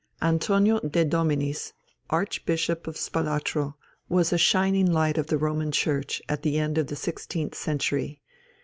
Antonio de Dominis, Archbishop of Spalatro, was a shining light of the Roman Church at the end of the sixteenth century.